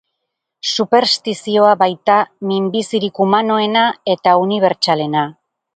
Superstizioa baita minbizirik humanoena eta unibertsalena.